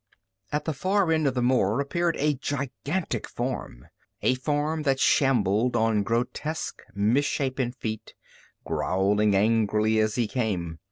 At the far end of the moor appeared a gigantic form, a form that shambled on grotesque, misshapen feet, growling angrily as he came.